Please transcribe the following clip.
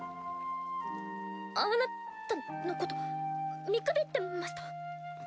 あなたのこと見くびってました。